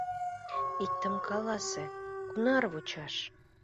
Иктым каласе: кунар вучаш?